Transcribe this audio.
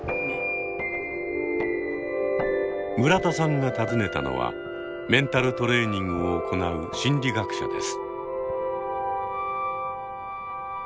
村田さんが訪ねたのはメンタルトレーニングを行う心理学者です。